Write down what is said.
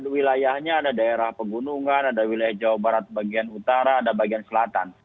wilayahnya ada daerah pegunungan ada wilayah jawa barat bagian utara ada bagian selatan